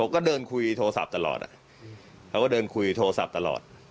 เขาก็เดินคุยโทรศัพท์ตลอด